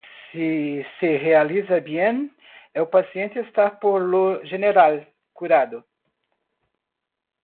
Si se realiza bien, el paciente está por lo general curado.